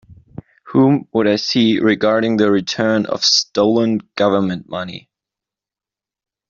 Whom would I see regarding the return of stolen Government money?